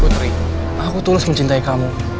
putri aku tulus mencintai kamu